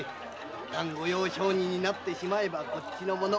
いったん御用商人になってしまえばこっちのもの。